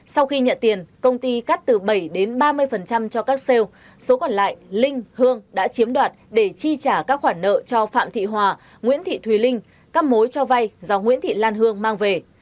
sau khi nhận tiền công ty cắt từ bảy đến ba mươi cho các sale số còn lại linh hương đã chiếm đoạt để chi trả các khoản nợ cho phạm thị hòa nguyễn thị thùy linh các mối cho vay do nguyễn thị lan hương mang về